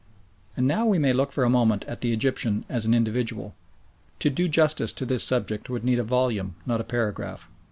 And now we may look for a moment at the Egyptian as an individual. To do justice to this subject would need a volume, not a paragraph.